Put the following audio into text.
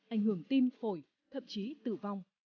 ảnh hưởng tim phổi thậm chí tử vong